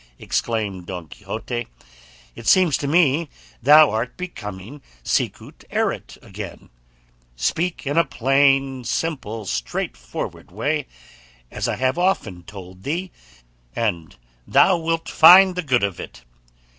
exclaimed Don Quixote; "it seems to me thou art becoming sicut erat again; speak in a plain, simple, straight forward way, as I have often told thee, and thou wilt find the good of it."